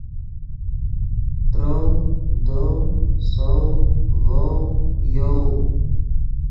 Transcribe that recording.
ترؤ، دؤ، سؤ، ڤؤ، یؤ